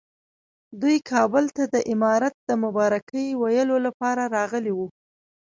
دوی کابل ته د امارت د مبارکۍ ویلو لپاره راغلي وو.